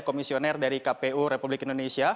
komisioner dari kpu republik indonesia